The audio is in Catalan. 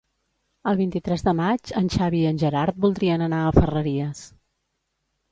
El vint-i-tres de maig en Xavi i en Gerard voldrien anar a Ferreries.